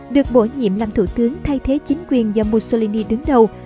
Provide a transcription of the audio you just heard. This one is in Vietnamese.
được bổ nhiệm làm thủ tướng thay thế chính quyền do mussolini đứng đầu